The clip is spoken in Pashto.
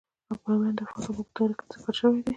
بامیان د افغانستان په اوږده تاریخ کې ذکر شوی دی.